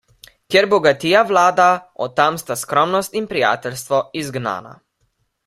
Kjer bogatija vlada, od tam sta skromnost in prijateljstvo izgnana.